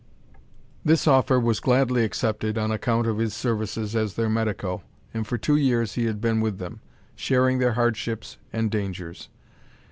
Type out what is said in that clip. This offer was gladly accepted on account of his services as their medico; and for two years he had been with them, sharing their hardships and dangers.